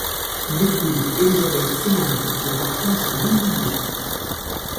Il épouse Élisabeth Seymandy qui appartient à ce même milieu.